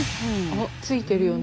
あっついてるよね。